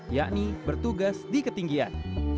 yakni bertugas di ketinggian